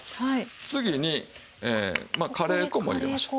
次にカレー粉も入れましょう。